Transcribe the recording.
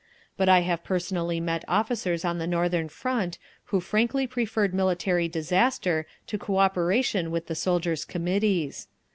But I have personally met officers on the Northern Front who frankly preferred military disaster to cooperation with the Soldiers' Committees.